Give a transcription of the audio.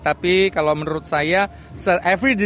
tapi kira kira saya tidak tahu apa yang akan terjadi